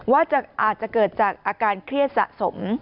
อาจจะเกิดจากอาการเครียดสะสม